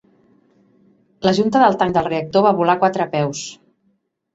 La junta del tanc del reactor va volar quatre peus.